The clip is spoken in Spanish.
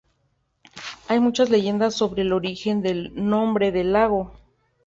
Hay muchas leyendas sobre el origen del nombre del lago.